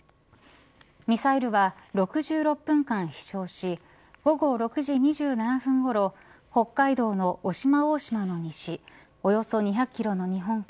ミサイルは、６６分間飛翔し、午後６時２７分ごろ北海道の渡島大島の西およそ２００キロの日本海